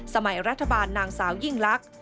สมัยรัฐบาลนางสาวยิ่งลักษณ